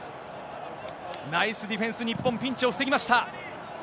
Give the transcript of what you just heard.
ナイスディフェンス、日本、ピンチを防ぎました。